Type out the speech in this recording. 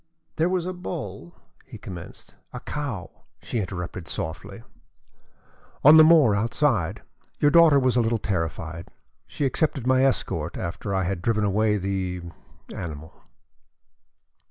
"There was a bull," he commenced, "A cow," she interrupted softly. "On the moor outside. Your daughter was a little terrified. She accepted my escort after I had driven away the animal."